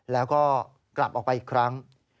แล้วก็กลับออกไปอีกครั้ง